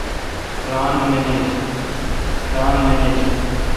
ران منیل۔